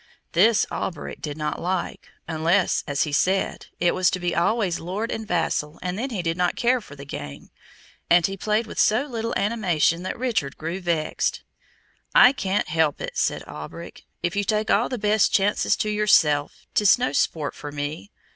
This Alberic did not like, unless, as he said, "it was to be always Lord and vassal, and then he did not care for the game," and he played with so little animation that Richard grew vexed. "I can't help it," said Alberic; "if you take all the best chances to yourself, 'tis no sport for me.